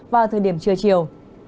vào thời điểm trưa chiều